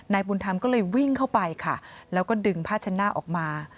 บุญธรรมก็เลยวิ่งเข้าไปค่ะแล้วก็ดึงผ้าชั้นหน้าออกมา